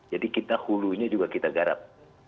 jadi kita hulunya juga kita garap